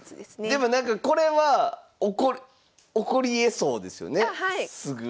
でもなんかこれは起こりえそうですよねすぐ。